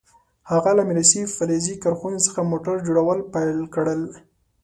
هغه له میراثي فلزي کارخونې څخه موټر جوړول پیل کړل.